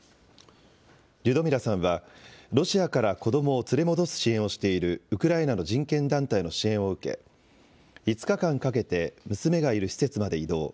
リュドミラさんはロシアから子どもを連れ戻す支援をしているウクライナの人権団体の支援を受け、５日間かけて娘がいる施設まで移動。